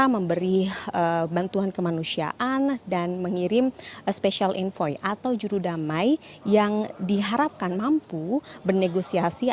memberi bantuan kemanusiaan dan mengirim special envoy atau jurudamai yang diharapkan mampu bernegosiasi